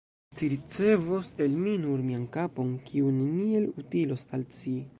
Ci ricevos el mi nur mian kapon, kiu neniel utilos al ci.